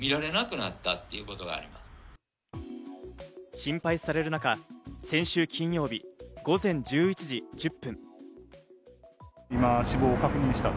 心配される中、先週金曜日午前１１時１０分。